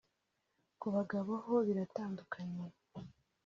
Ku bagabo ho biratandukanye